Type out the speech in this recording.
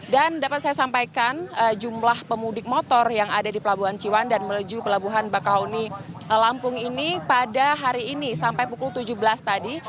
dan dapat saya sampaikan jumlah pemudik motor yang ada di pelabuhan cewanan dan meluju pelabuhan bakauni lampung ini pada hari ini sampai pukul tujuh belas tadi